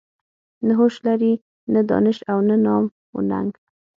نه هوش لري نه دانش او نه نام و ننګ.